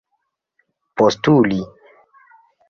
postuli